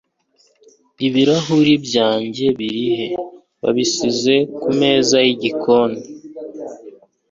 ibirahuri byanjye biri he? wabasize ku meza y'igikoni